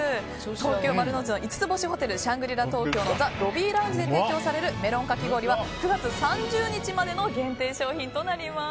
東京・丸の内の５つ星ホテルシャングリ・ラ東京のザ・ロビーラウンジで提供されるメロンかき氷は９月３０日までの限定商品です。